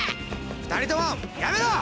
２人ともやめろ！